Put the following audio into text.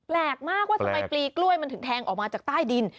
แปลกมากว่าทำไมปลีกล้วยมันถึงแทงออกมาจากใต้ดิน